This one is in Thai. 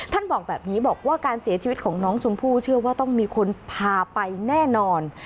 บอกแบบนี้บอกว่าการเสียชีวิตของน้องชมพู่เชื่อว่าต้องมีคนพาไปแน่นอน